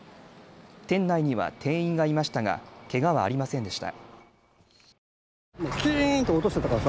店内には店員がいましたがけがはありませんでした。